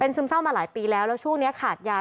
ซึมเศร้ามาหลายปีแล้วแล้วช่วงนี้ขาดยา